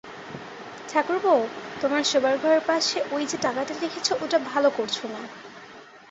ঠাকুরপো, তোমার শোবার ঘরের পাশে ঐ-যে টাকাটা রেখেছ ওটা ভালো করছ না।